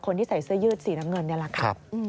คนที่ใส่เสื้อยืดสีน้ำเงินนี่แหละค่ะ